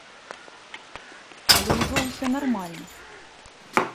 Але ўжо ўсё нармальна.